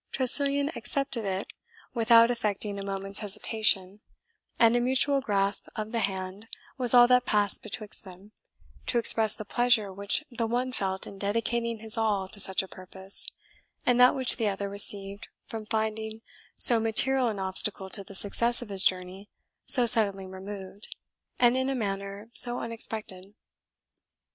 Tressilian accepted it without affecting a moment's hesitation, and a mutual grasp of the hand was all that passed betwixt them, to express the pleasure which the one felt in dedicating his all to such a purpose, and that which the other received from finding so material an obstacle to the success of his journey so suddenly removed, and in a manner so unexpected.